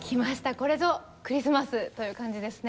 これぞクリスマスという感じですね。